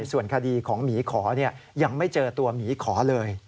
ส่วนคดีของหมีขอยังไม่เจอตัวหมีขอเลย